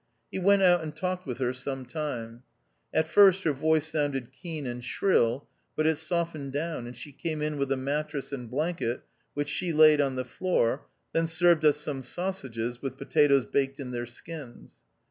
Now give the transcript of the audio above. He went out and talked with her some time. At first her voice sounded keen and shrill, but it softened down, and she came in with a mattress and blanket, which she laid on the floor, then served us some sausages, with potatoes baked in their skins.